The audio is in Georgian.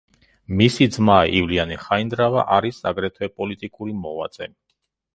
მისი ძმა ივლიანე ხაინდრავა, არის აგრეთვე პოლიტიკური მოღვაწე.